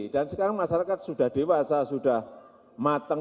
dan sekarang masyarakat sudah dewasa sudah matang